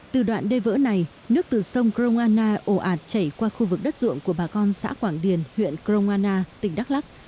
từ đoạn đê vỡ này nước từ sông kroana ổ ạt chảy qua khu vực đất ruộng của bà con xã quảng điền huyện kroana tỉnh đắk lắc